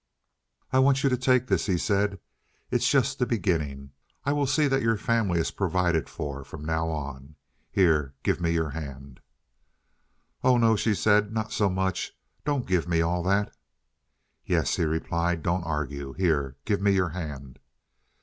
"I want you to take this," he said. "It's just the beginning. I will see that your family is provided for from now on. Here, give me your hand." "Oh no," she said. "Not so much. Don't give me all that." "Yes," he replied. "Don't argue. Here. Give me your hand."